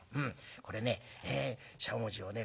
これねしゃもじをね